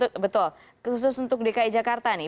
betul khusus untuk dki jakarta nih